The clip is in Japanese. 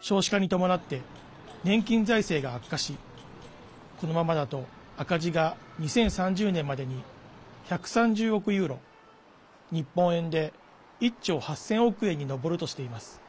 少子化に伴って年金財政が悪化しこのままだと赤字が２０３０年までに１３０億ユーロ日本円で１兆８０００億円に上るとしています。